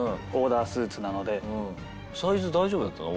サイズ大丈夫だったの？